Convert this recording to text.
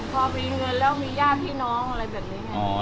พอมีเงินแล้วมีญาติพี่น้องอะไรแบบนี้ไง